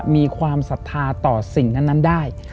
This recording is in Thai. มีความศรัทธาต่อสิ่งนั้นได้